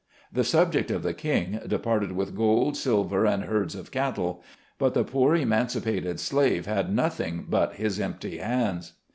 The subject of the king departed with gold, silver, and herds of cattle ; but the poor emancipated slave had nothing but his empty hands."